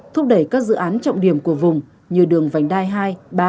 thúc đẩy các dự án trọng điểm của vùng như đường vành đai hai ba